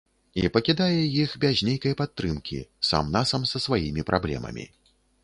І пакідае іх без нейкай падтрымкі, сам насам са сваімі праблемамі.